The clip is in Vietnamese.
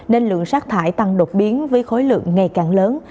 nên lượng rác thải tăng đột biến với khối lượng ngày càng lớn